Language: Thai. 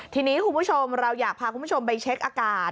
ทีนี้คุณผู้ชมเราอยากพาคุณผู้ชมไปเช็คอากาศ